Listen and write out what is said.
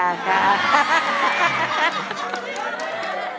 ให้เป้าหมาย